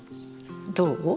どう？